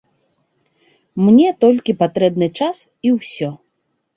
Мне толькі патрэбны час і ўсё!